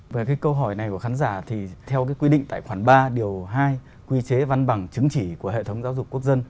về câu hỏi này của khán giả thì theo quy định tài khoản ba điều hai quy chế văn bằng chứng chỉ của hệ thống giáo dục quốc dân